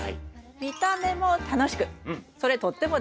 見た目も楽しくそれとっても大事ですよね。